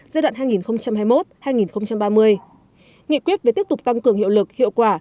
giai đoạn hai nghìn hai mươi một hai nghìn ba mươi nghị quyết về tiếp tục tăng cường hiệu lực hiệu quả